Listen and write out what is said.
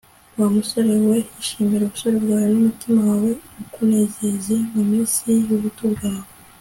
wa musore we, ishimire ubusore bwawe n'umutima wawe ukunezeze mu minsi y'ubuto bwawe